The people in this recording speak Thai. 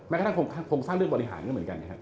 แม้กระทั่งโครงสร้างเรื่องบริหารก็เหมือนกัน